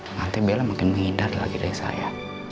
nanti bella mungkin menghindar lagi dari saya